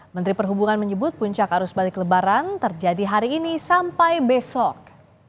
menteri perhubungan menyebut puncak arus balik lebaran terjadi hari ini sampai besok